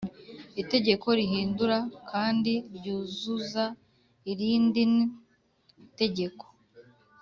Itegeko rihindura kandi ryuzuza irindin Tegeko